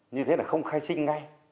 như thế là không khai sinh ngay